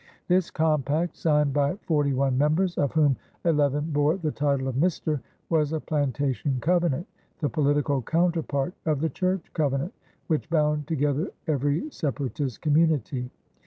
This compact, signed by forty one members, of whom eleven bore the title of "Mister," was a plantation covenant, the political counterpart of the church covenant which bound together every Separatist community.